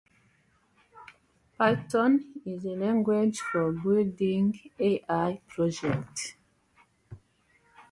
Basil Graham Bourchier.